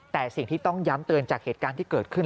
แต่สิ่งที่ต้องย้ำเตือนจากเหตุการณ์ที่เกิดขึ้น